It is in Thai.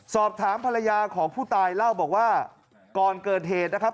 สอบถามภรรยาของผู้ตายเล่าบอกว่าก่อนเกิดเหตุนะครับ